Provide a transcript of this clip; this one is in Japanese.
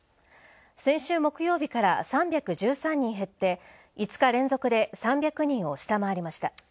先週木曜日から３１３人減って５日連続３００人を下回りました。